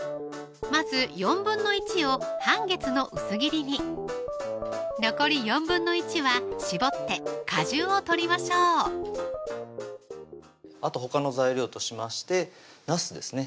まず１／４を半月の薄切りに残り１／４は搾って果汁を取りましょうあとほかの材料としましてなすですね